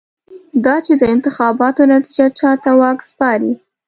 دا چې د انتخاباتو نتېجه چا ته واک سپاري.